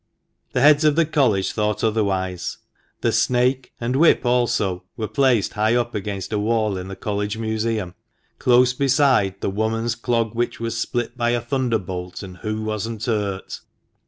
The heads of the College thought otherwise. The snake, and whip also, were placed high up against a wall in the College museum, close beside the " woman's clog which was split by a thunderbolt, and hoo wasn't hurt."